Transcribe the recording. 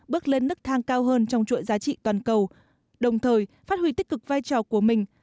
bước lên nức thang cao hơn trong chuỗi giá trị toàn cầu đồng thời phát huy tích cực vai trò của mình